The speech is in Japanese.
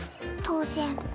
当然。